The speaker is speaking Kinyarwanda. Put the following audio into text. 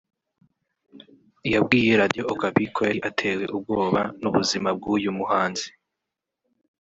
yabwiye Radio Okapi ko yari atewe ubwoba n’ubuzima bw’uyu muhanzi